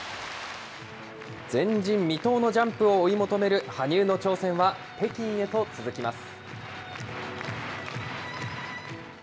前人未到のジャンプを追い求める羽生の挑戦は、北京へと続きます。